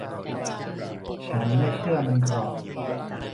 ฉันไม่เชื่อมันหรอก